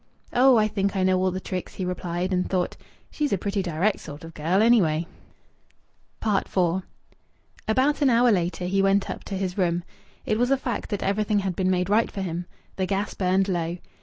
"Oh! I think I know all the tricks," he replied, and thought, "She's a pretty direct sort of girl, anyway!" IV About an hour later he went up to his room. It was a fact that everything had been made right for him. The gas burned low.